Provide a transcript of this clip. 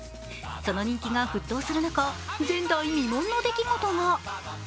その人気が沸騰する中、前代未聞の出来事が。